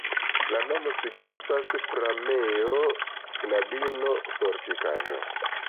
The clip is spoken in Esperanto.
La nomo signifas: pramejo-knabino-fortikaĵo.